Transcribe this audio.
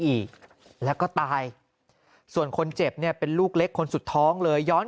อีกแล้วก็ตายส่วนคนเจ็บเนี่ยเป็นลูกเล็กคนสุดท้องเลยย้อน